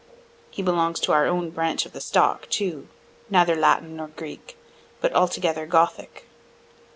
He belongs to our own branch of the stock too; neither Latin nor Greek, but altogether Gothic.